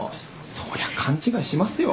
そりゃ勘違いしますよ。